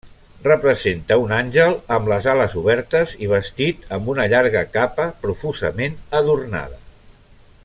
Representa un àngel amb les ales obertes i vestit amb una llarga capa profusament adornada.